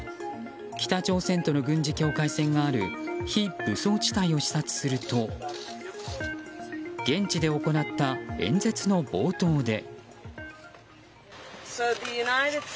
北朝鮮との軍事境界線がある非武装地帯を視察すると現地で行った演説の冒頭で。